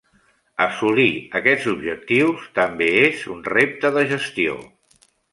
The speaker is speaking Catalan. Assolir aquests objectius també és un repte de gestió.